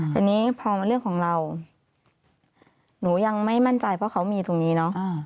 ทีนี้พอมาเรื่องของเราหนูยังไม่มั่นใจเพราะเขามีตรงนี้เนอะ